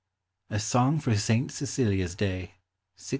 A SONG FOR SAINT CECILIA'S DAY, 1687.